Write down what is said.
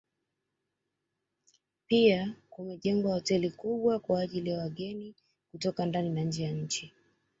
Pia kumejengwa hoteli kubwa kwa ajili ya wageni kutoka ndani na nje ya nchi